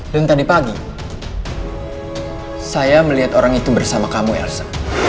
dan tadi pagi saya melihat orang itu bersama kamu elsa